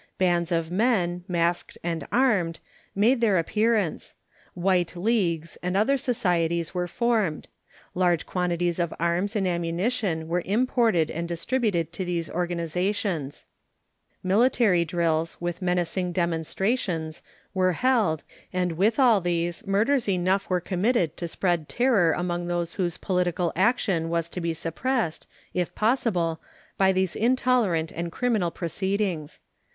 Bands of men, masked and armed, made their appearance; White Leagues and other societies were formed; large quantities of arms and ammunition were imported and distributed to these organizations; military drills, with menacing demonstrations, were held, and with all these murders enough were committed to spread terror among those whose political action was to be suppressed, if possible, by these intolerant and criminal proceedings.